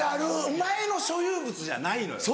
お前の所有物じゃないのよ